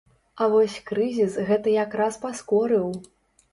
А вось крызіс гэта як раз паскорыў!